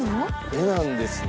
絵なんですね。